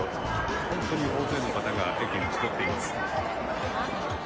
本当に大勢の方が駅に集っています。